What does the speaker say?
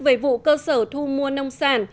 về vụ cơ sở thu mua nông sản